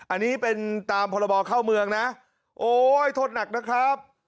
อันนี้เป็นตามพรบเข้าเมืองนะโอ๊ยโทษหนักนะครับ